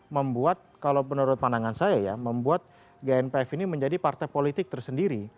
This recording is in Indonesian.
membuat kalau menurut pandangan saya ya membuat gnpf ini menjadi partai politik tersendiri